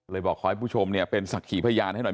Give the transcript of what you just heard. เลยบอกขอให้ผู้ชมเป็นศักดิ์ขี่พยานให้หน่อย